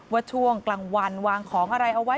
ว่าช่วงกลางวันวางของอะไรเอาไว้